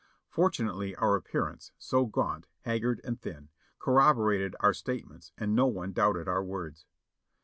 Fortunately our appearance, so gaunt, haggard and thin, corroborated our statements and no one doubted our words.